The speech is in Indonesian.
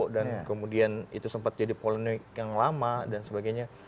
dan kemudian itu sempat jadi poloni yang lama dan sebagainya